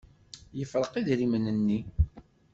Yefreq idrimen-nni.